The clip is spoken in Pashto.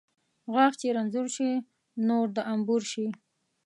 غاښ چې رنځور شي ، نور د انبور شي